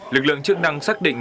lực lượng chức năng xác định